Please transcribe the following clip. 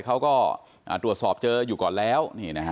เขาก็ตรวจสอบเจออยู่ก่อนแล้ว